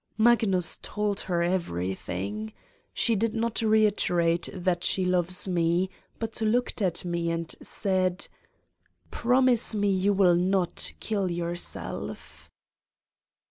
... Magnus told her everything. She did not reit erate that she loves Me but looked at me and said: "Promise me, you will not kill yourself.